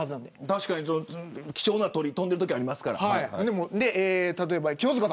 確かに、貴重な鳥が飛んでるときありますから。